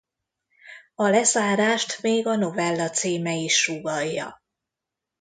A lezárást még a novella címe is sugallja.